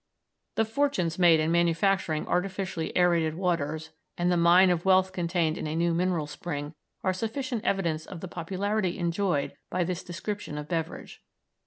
The fortunes made in manufacturing artificially aërated waters and the mine of wealth contained in a new mineral spring are sufficient evidence of the popularity enjoyed by this description of beverage.